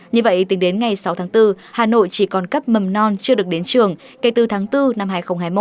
như vậy tính đến ngày sáu tháng bốn hà nội chỉ còn cấp mầm non chưa được đến trường kể từ tháng bốn năm hai nghìn hai mươi một